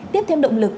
tiếp thêm động lực